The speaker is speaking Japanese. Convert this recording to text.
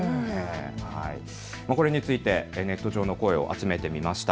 これについてネット上の声を集めてみました。